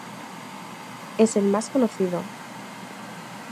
Es el más conocido.